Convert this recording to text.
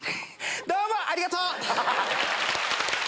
どうもありがとう！